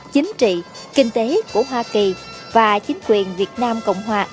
chính trị kinh tế của hoa kỳ và chính quyền việt nam cộng hòa